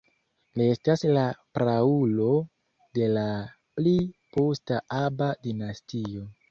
Li estas la praulo de la pli posta Aba-dinastio.